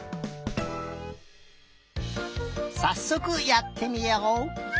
さっそくやってみよう！